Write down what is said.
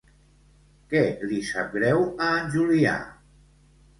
Què li sap greu a en Julià?